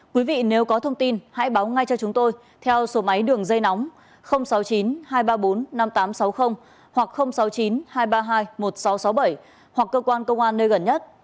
quý vị nếu có thông tin hãy báo ngay cho chúng tôi theo số máy đường dây nóng sáu mươi chín hai trăm ba mươi bốn năm nghìn tám trăm sáu mươi hoặc sáu mươi chín hai trăm ba mươi hai một nghìn sáu trăm sáu mươi bảy hoặc cơ quan công an nơi gần nhất